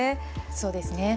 そうですね。